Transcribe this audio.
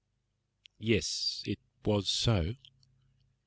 "Yes, it was so."